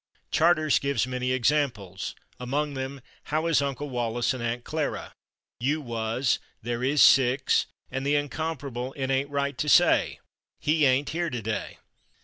Charters gives many examples, among them, "how /is/ Uncle Wallace and Aunt Clara?" "you /was/," "there /is/ six" and the incomparable "it /ain't/ right to say, 'He /ain't/ here today.'"